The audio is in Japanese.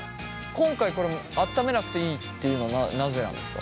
今回これ温めなくていいっていうのはなぜなんですか？